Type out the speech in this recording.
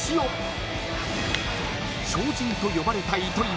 ［超人と呼ばれた糸井は］